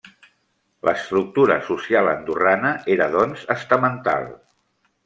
L'estructura social andorrana era doncs estamental.